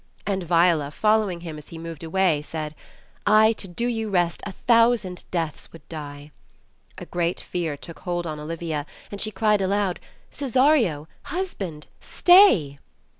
And Viola, following him as he moved away, said, "I, to do you rest, a thousand deaths would die." A great fear took hold on Olivia, and she cried aloud, "Cesario, husband, stay!"